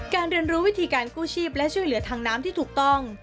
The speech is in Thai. เรียนรู้วิธีการกู้ชีพและช่วยเหลือทางน้ำที่ถูกต้อง